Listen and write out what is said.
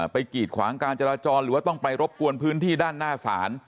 กีดขวางการจราจรหรือว่าต้องไปรบกวนพื้นที่ด้านหน้าศาล